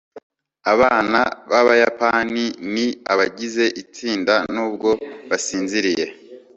abana b'abayapani ni abagize itsinda nubwo basinziriye